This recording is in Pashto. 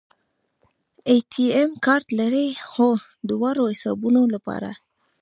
اے ټي ایم کارت لرئ؟ هو، دواړو حسابونو لپاره